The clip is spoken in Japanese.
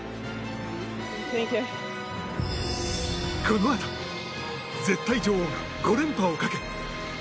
このあと、絶対女王が５連覇をかけ８００ｍ